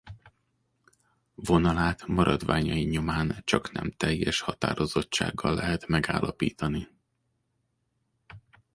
Vonalát maradványai nyomán csaknem teljes határozottsággal lehet megállapítani.